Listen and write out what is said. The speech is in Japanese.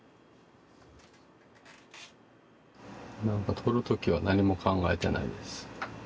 撮る時は何も考えてないです。